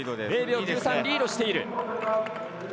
０秒９３リードしている。